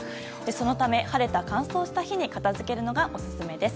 そのため、晴れた乾燥した日に片づけるのがオススメです。